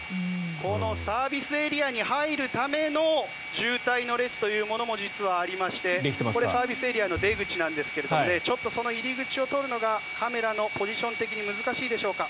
このサービスエリアに入るための渋滞の列というのも実はありましてこれサービスエリアの出口ですがちょっとその入り口を撮るのがカメラのポジション的に難しいでしょうか。